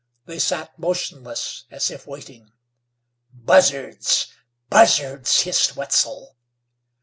They sat motionless as if waiting. "Buzzards! Buzzards!" hissed Wetzel.